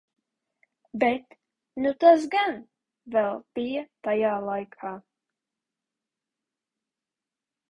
Bet nu tas gan vēl bija tajā laikā.